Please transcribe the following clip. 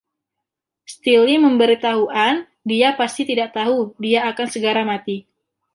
Steele memberi tahu Ann, "dia pasti tidak tahu" dia akan segera mati.